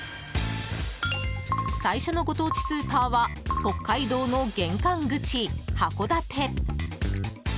最初のご当地スーパーは北海道の玄関口・函館。